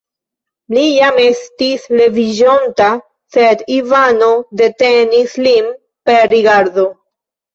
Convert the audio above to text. Li jam estis leviĝonta, sed Ivano detenis lin per rigardo.